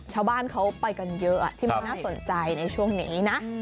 ชาวบ้านเขาไปกันเยอะที่มันน่าสนใจในช่วงนี้นะ